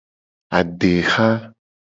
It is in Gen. Adeha.